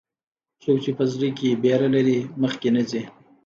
څوک چې په زړه کې ویره لري، مخکې نه ځي.